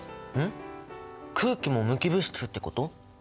空気も無機物質ってこと？